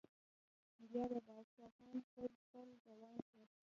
بيا د پاچا خان پر پل روان شو.